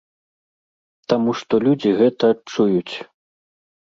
Таму што людзі гэта адчуюць.